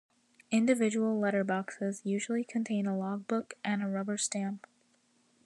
Individual letterboxes usually contain a logbook and a rubber stamp.